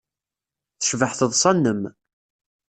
Tecbeḥ teḍsa-nnem.